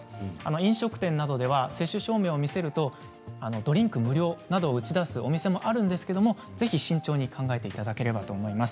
飲食店などでは接種証明を見せるとドリンク無料などを打ち出すお店もあるんですけれどもぜひ慎重に考えていただければと思います。